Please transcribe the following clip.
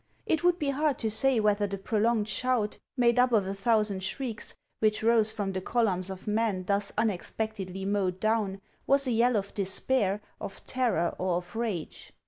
It would be hard to say whether the prolonged shout, made up of a thousand shrieks, which rose from the columns of men thus unexpectedly mowed down, was a yell of despair, of terror, or of rage.